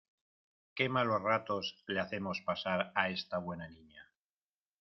¡Qué malos ratos le hacemos pasar a esta buena niña!